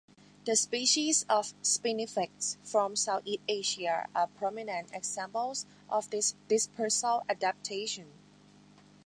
The species of "Spinifex" from Southeast Asia are prominent examples of this dispersal adaptation.